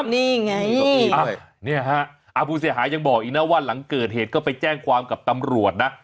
นี่ไงผู้เสียหายยังบอกอีกนะว่าหลังเกิดเหตุก็ไปแจ้งความกับตำรวจนะ